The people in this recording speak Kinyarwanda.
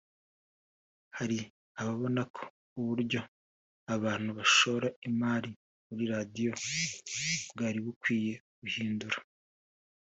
hari ababona ko uburyo abantu bashora imari muri radiyo bwari bukwiye guhindura